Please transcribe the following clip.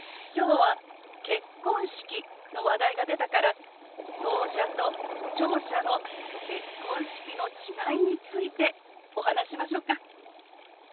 今日は結婚式の話題が出たからろう者と聴者の結婚式の違いについてお話ししましょうか？